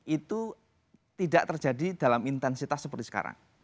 itu tidak terjadi dalam intensitas seperti sekarang